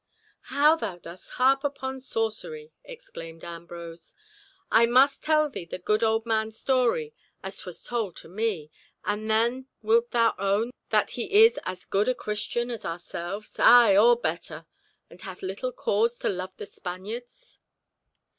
"How thou dost harp upon sorcery!" exclaimed Ambrose. "I must tell thee the good old man's story as 'twas told to me, and then wilt thou own that he is as good a Christian as ourselves—ay, or better—and hath little cause to love the Spaniards."